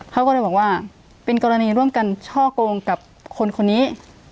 เขาก็เลยบอกว่าเป็นกรณีร่วมกันช่อกงกับคนคนนี้